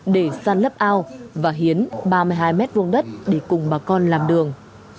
để săn lấp ao và hiến ba mươi hai mét vuông đất để cùng bà con làm đường